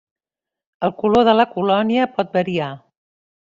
El color de la colònia pot variar.